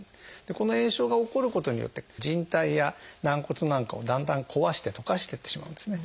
この炎症が起こることによって靭帯や軟骨なんかをだんだん壊して溶かしていってしまうんですね。